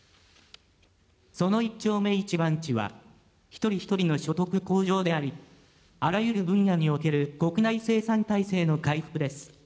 その一丁目一番地は、一人一人の所得向上であり、あらゆる分野における国内生産体制の回復です。